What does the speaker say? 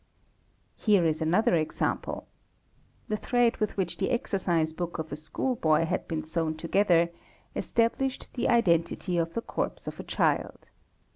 Here is another example: the thread with which the exercise book of a schoolboy had been sewn together established the identity of the corpse of a child.